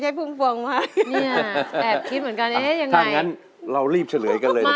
ถ้าอย่างนั้นเรารีบเฉลยกันเลยก่อน